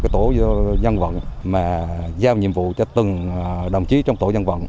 tổ dân quận giao nhiệm vụ cho từng đồng chí trong tổ dân vận